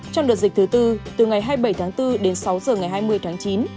trong đợt dịch thứ tư từ ngày hai mươi bảy tháng bốn đến sáu giờ ngày hai mươi tháng chín